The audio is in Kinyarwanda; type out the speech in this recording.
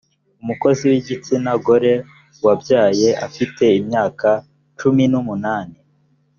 umukozi w’igitsina gore wabyaye afite imyaka cumi n’umunani